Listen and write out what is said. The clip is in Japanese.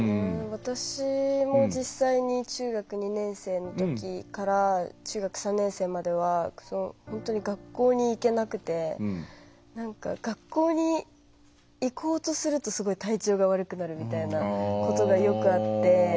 私も実際に中学２年生のときから中学３年生までは本当に学校に行けなくて学校に行こうとするとすごい体調が悪くなるみたいなことがよくあって。